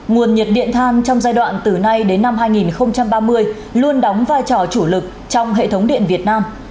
nguồn nhiệt điện than trong giai đoạn từ nay đến năm hai nghìn ba mươi luôn đóng vai trò chủ lực trong hệ thống điện việt nam